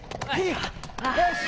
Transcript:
よし！